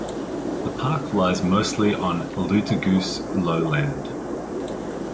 The park lies mostly on Alutaguse Lowland.